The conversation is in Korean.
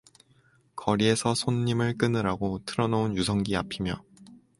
거리에서 손님을 끄느라고 틀어 놓은 유성기 앞이며